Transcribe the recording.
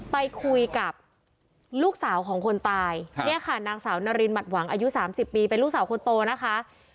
ไปคุยกับลูกสาวของคนตายเนี่ยค่ะนางสาวนารินหมัดหวังอายุ๓๐ปีเป็นลูกสาวคนโตนะคะ